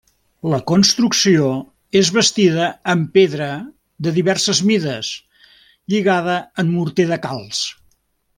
La construcció és bastida amb pedra de diverses mides lligada amb morter de calç.